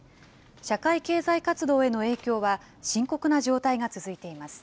社会・経済活動への影響は深刻な状態が続いています。